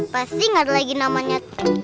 pasti nggak ada lagi namanya